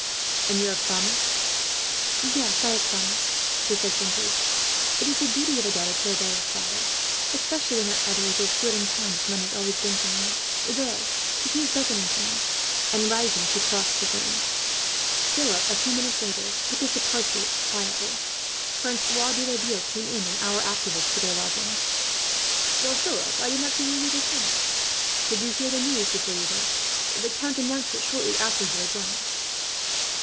"And you have promised?" Philip asked. "Yes, I have promised," she said simply. "It is the duty of a daughter to obey her father, especially when that father is as good and kind as mine has always been to me. "There, he is beckoning to me;" and, rising, she crossed the room. Philip, a few minutes later, took his departure quietly. Francois de Laville came in, an hour afterwards, to their lodgings. "Well, Philip, I did not see you leave the count's. Did you hear the news before you left? The count announced it shortly after you had gone."